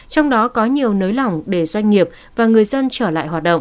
trong đó có nhiều nới lỏng để doanh nghiệp và người dân trở lại hoạt động